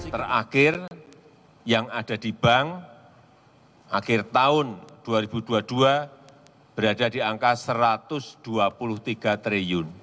terakhir yang ada di bank akhir tahun dua ribu dua puluh dua berada di angka rp satu ratus dua puluh tiga triliun